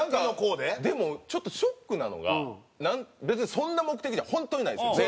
でもちょっとショックなのが別にそんな目的じゃ本当にないんですよ